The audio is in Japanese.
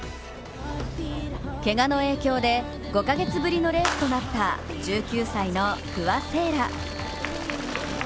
けがの影響で、５か月ぶりのレースとなった１９歳の不破聖衣来。